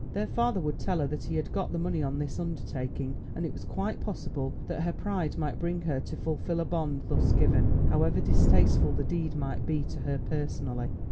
Their father would tell her that he had got the money on this undertaking, and it was quite possible that her pride might bring her to fulfil a bond thus given, however distasteful the deed might be to her personally.